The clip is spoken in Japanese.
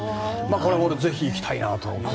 これはぜひ、行きたいなと。